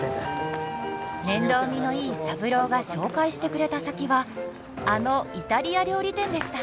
面倒見のいい三郎が紹介してくれた先はあのイタリア料理店でした！